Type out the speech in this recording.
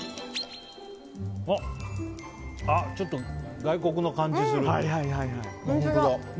ちょっと外国の感じがする。